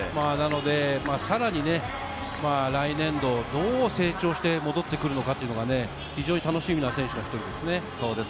さらに来年度、どう成長して戻ってくるのかというのが非常に楽しみな選手。